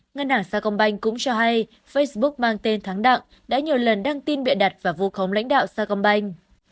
ngân hàng sa công banh cũng cho hay facebook mang tên thắng đặng đã nhiều lần đăng tin bị đặt vào vụ khống lãnh đạo sa công banh